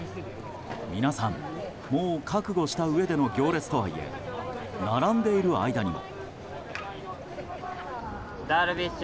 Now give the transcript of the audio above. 皆さん、もう覚悟したうえでの行列とはいえ並んでいる間にも。